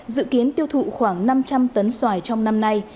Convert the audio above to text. dự kiến tiêu thụ khoảng năm trăm linh tấn xoài trong năm nay